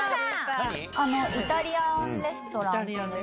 イタリアンレストランで。